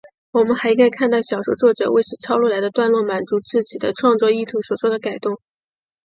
我们还应该看到小说作者为使抄录来的段落满足自己的创作意图所作的改动。